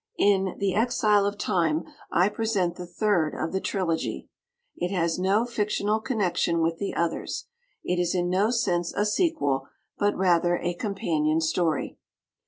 In "The Exile of Time," I present the third of the trilogy. It has no fictional connection with the others; it is in no sense a sequel, but rather a companion story.